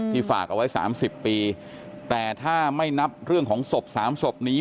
ฝากเอาไว้๓๐ปีแต่ถ้าไม่นับเรื่องของศพสามศพนี้